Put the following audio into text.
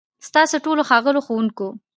ستاسو ټولو، ښاغليو ښوونکو،